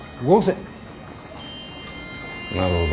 なるほど。